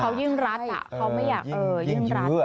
เขายิ่งรัดเขาไม่อยากยิ่งรัด